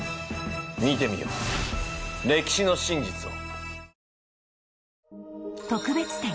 見てみよう歴史の真実を。